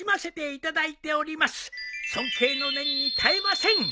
「尊敬の念に堪えません」